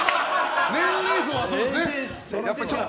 年齢層はそうですね。